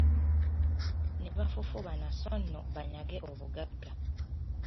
Ne bafufubana so nno banyage obugagga.